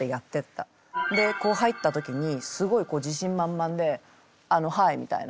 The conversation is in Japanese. でこう入った時にすごいこう自信満々でハイみたいな。